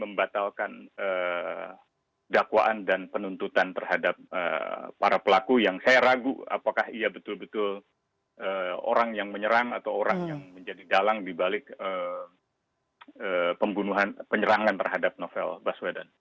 maka tidak ada jalan lain kecuali membatalkan dakwaan dan penuntutan terhadap para pelaku yang saya ragu apakah ia betul betul orang yang menyerang atau orang yang menjadi galang dibalik penyerangan terhadap novel baswedan